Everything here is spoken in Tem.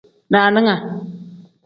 Daaninga.